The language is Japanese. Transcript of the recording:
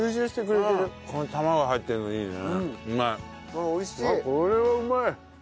これはうまい。